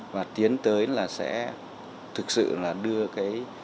và tiến tới là sẽ thực sự là đưa cái